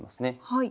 はい。